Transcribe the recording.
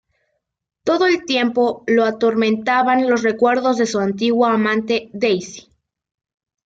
Todo el tiempo lo atormentan los recuerdos de su antigua amante, Daisy.